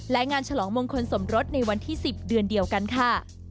และงานฉลองมงคลสมรสในวันที่๑๐เดือนเดียวกันค่ะ